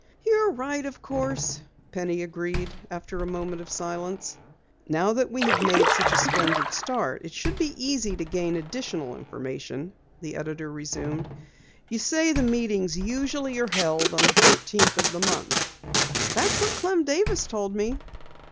"You're right, of course," Penny agreed after a moment of silence. "Now that we have such a splendid start, it should be easy to gain additional information," the editor resumed. "You say the meetings usually are held on the thirteenth of the month?" "That's what Clem Davis told me."